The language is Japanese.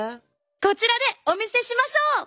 こちらでお見せしましょう！